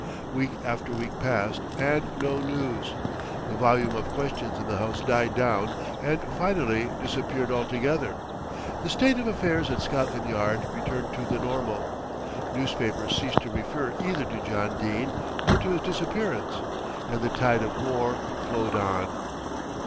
Week after week passed and no news. The volume of questions in the House died down and finally disappeared altogether. The state of affairs at Scotland Yard returned to the normal. Newspapers ceased to refer either to John Dene, or to his disappearance, and the tide of war flowed on.